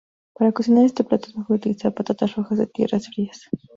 Para cocinar este plato es mejor utilizar patatas rojas de tierras frías.